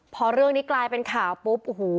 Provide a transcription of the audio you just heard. พอเรื่องนี้กลายเป็นข่าวปุ๊บโอ้โห